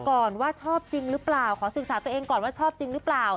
ก่อนว่าชอบจริงหรือเปล่าขอศึกษาตัวเองก่อนว่าชอบจริงหรือเปล่า